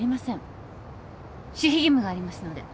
守秘義務がありますので。